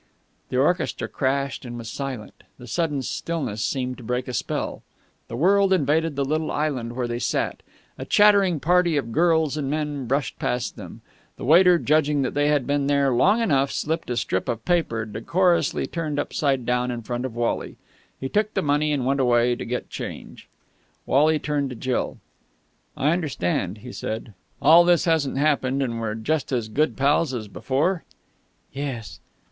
The orchestra crashed, and was silent. The sudden stillness seemed to break a spell. The world invaded the little island where they sat. A chattering party of girls and men brushed past them. The waiter, judging that they had been there long enough, slipped a strip of paper, decorously turned upside down, in front of Wally. He took the money, and went away to get change. Wally turned to Jill. "I understand," he said. "All this hasn't happened, and we're just as good pals as before?" "Yes."